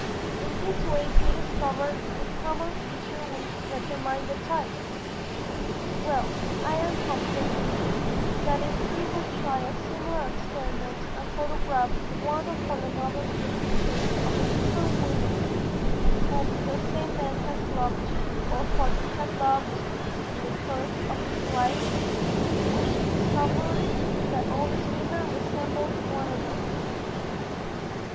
In this way he discovered the common features which determined the type. Well, I am convinced that if we could try a similar experiment and photograph one upon another the pictures of the different women whom the same man has loved or thought he had loved in the course of his life we should discover that all these women resembled one another.